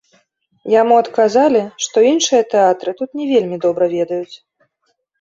Яму адказалі, што іншыя тэатры тут не вельмі добра ведаюць.